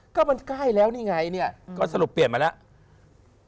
ก็มันใกล้แล้วนี่ไงเนี่ยก็สรุปเปลี่ยนมาแล้ว